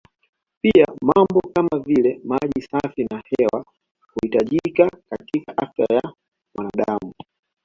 Pia mambo kama vile maji safi na hewa huhitajika katika afya ya mwanadam